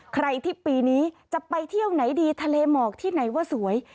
ใครที่ปีนี้จะไปเที่ยวไหนดีทะเลหมอกที่ไหนว่าสวย